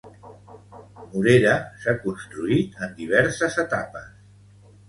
Morera s'ha construït en diverses etapes.